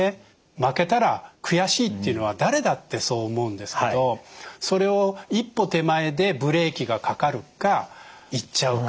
負けたら悔しいっていうのは誰だってそう思うんですけどそれを一歩手前でブレーキがかかるか言っちゃうか。